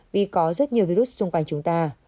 vì có rất nhiều virus xung quanh chúng ta